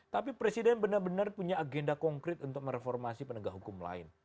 tapi presiden benar benar punya agenda konkret untuk mereformasi penegak hukum lain